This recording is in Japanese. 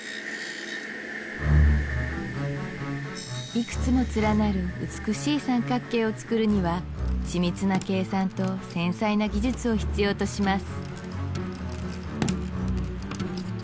いくつも連なる美しい三角形を作るには緻密な計算と繊細な技術を必要とします